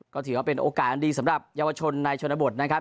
ก็ถือว่าเป็นโอกาสอันดีสำหรับเยาวชนในชนบทนะครับ